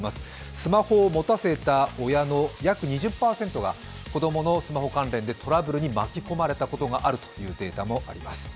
スマホを持たせた親の約２０％が子供のスマホ関連で、トラブルに巻き込まれたことがあるというデータもあります。